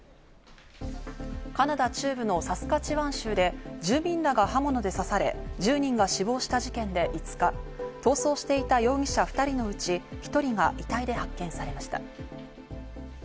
カナダ中部のサスカチワン州で住民らが刃物で刺され１０人が死亡した事件で５日、逃走していた容疑者２人のうち１人が遺体で発見されました。